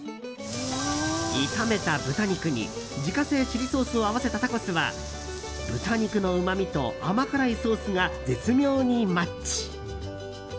炒めた豚肉に自家製チリソースを合わせたタコスは豚肉のうまみと甘辛いソースが絶妙にマッチ。